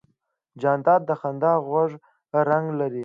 جانداد د خندا خوږ رنګ لري.